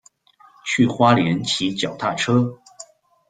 去花蓮騎腳踏車